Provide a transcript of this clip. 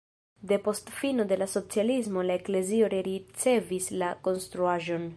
Depost fino de la socialismo la eklezio rericevis la konstruaĵon.